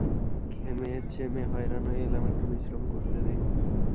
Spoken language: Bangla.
ঘেমেচেমে হয়রান হয়ে এলাম, একটু বিশ্রাম করতে দে।